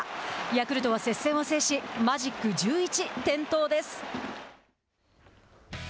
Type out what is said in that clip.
ヤクルトは接戦を制しマジック１１点灯です。